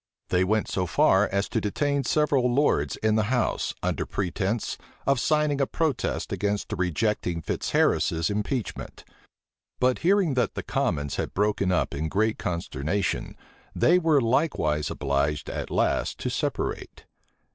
They went so far as to detain several lords in the house, under pretence of signing a protest against rejecting Fitzharris's impeachment; but hearing that the commons had broken up in great consternation, they were likewise obliged at last to separate.